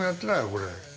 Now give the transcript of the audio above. これ。